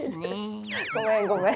ごめんごめん。